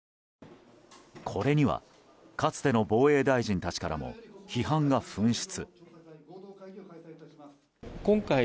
これには、かつての防衛大臣たちからも批判が噴出。